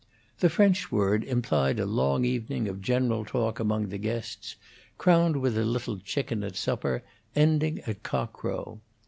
The French word implied a long evening of general talk among the guests, crowned with a little chicken at supper, ending at cock crow.